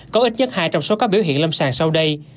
có ít nhất hai trong số các biểu hiện lâm sàng sau đây